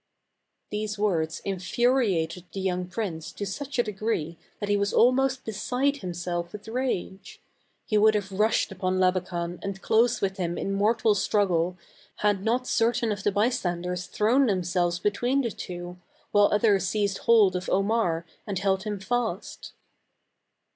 These words infuriated the young prince to nich a degree that he was almost beside himself with rage. He would have rushed upon Labakan and closed with him in mortal struggle, had not certain of ther bystanders thrown themselves be tween the two, while others seized hold of Omar and held him fast.